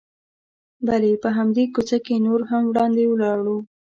بلې، په همدې کوڅه کې نور هم وړاندې ولاړو.